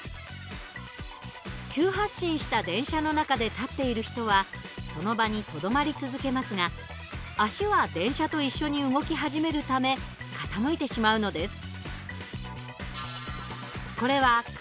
急発進した電車の中で立っている人はその場にとどまり続けますが足は電車と一緒に動き始めるため傾いてしまうのです。